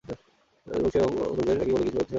রাজবংশী এবং কোচ দের একই বলে কিছু ঐতিহাসিকরা মনে করেন।